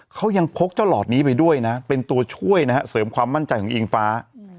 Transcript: เขายังพกเจ้าหลอดนี้ไปด้วยนะเป็นตัวช่วยนะฮะเสริมความมั่นใจของอิงฟ้า